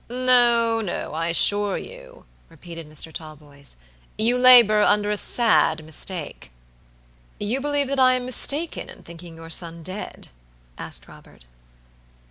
"No, no, I assure you," repeated Mr. Talboys, "you labor under a sad mistake." "You believe that I am mistaken in thinking your son dead?" asked Robert.